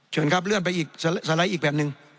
เชิญครับเลื่อนไปอีกสไลด์อีกแบบหนึ่ง